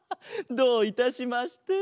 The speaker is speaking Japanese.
どういたしまして。